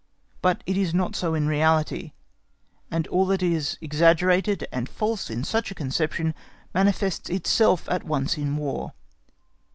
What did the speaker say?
But it is not so in reality, and all that is exaggerated and false in such a conception manifests itself at once in War.